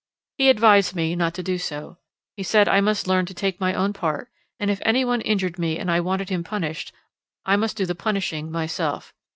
He advised me not to do so; he said I must learn to take my own part, and if any one injured me and I wanted him punished I must do the punishing myself.